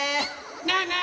ねえねえ